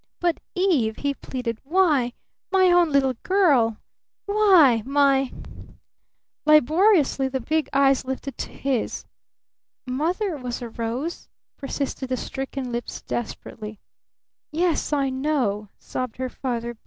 "But Eve?" he pleaded. "Why, my own little girl. Why, my " Laboriously the big eyes lifted to his. "Mother was a rose," persisted the stricken lips desperately. "Yes, I know," sobbed her father.